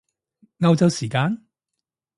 歐洲時間？